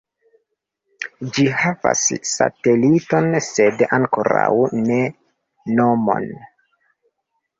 Ĝi havas sateliton sed ankoraŭ ne nomon.